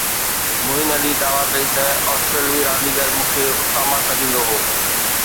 معين علي دعويٰ ڪئي ته آسٽريلوي رانديگر مون کي اساما سڏيندو هو